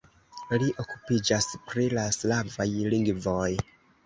Li okupiĝas pri la slavaj lingvoj.